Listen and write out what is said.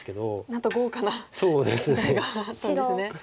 なんと豪華な時代があったんですね。